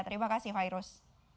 terima kasih fairuz